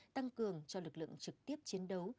tăng cường cho lực lượng trực tiếp chiến đấu